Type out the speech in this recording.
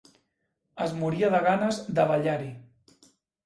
Es moria de ganes de ballar-hi.